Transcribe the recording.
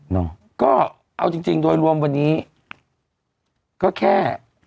เนาะก็เอาจริงจริงโดยรวมวันนี้ก็แค่